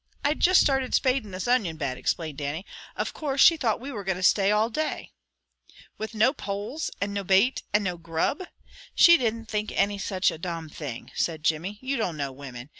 "I'd juist started spadin' this onion bed," explained Dannie. "Of course, she thought we were going to stay all day." "With no poles, and no bait, and no grub? She didn't think any such a domn thing," said Jimmy. "You don't know women!